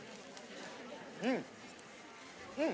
うん！